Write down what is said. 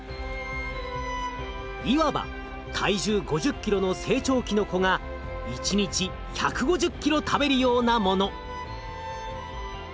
いわば体重５０ｋｇの成長期の子が一日１５０ｋｇ食べるようなもの。